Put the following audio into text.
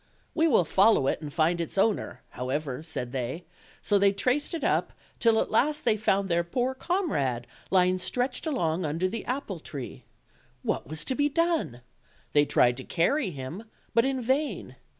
"We will follow it and find its owner, however," said they; so they traced it up, till at last they found their poor comrade lying stretched along under the apple tree. What was to be done? They tried to carry him, but in vain.